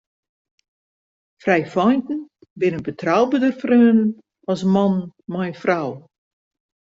Frijfeinten binne betrouberder freonen as mannen mei in frou.